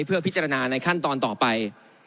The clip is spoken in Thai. เพื่อพิจารณาในขั้นตอนต่อไป